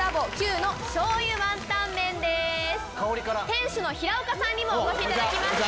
店主の平岡さんにもお越しいただきました。